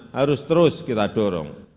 harus terus kita dorong